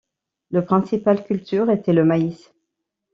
La principale culture était le maïs.